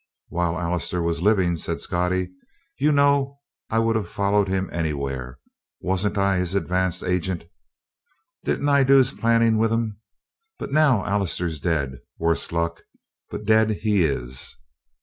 "While Allister was living," said Scottie, "you know I would of followed him anywhere. Wasn't I his advance agent? Didn't I do his planning with him? But now Allister's dead worse luck but dead he is."